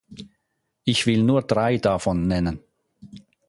Ich will nur drei davon nennen.